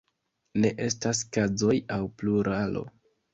Ne estas kazoj aŭ pluralo.